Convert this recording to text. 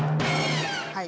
はい。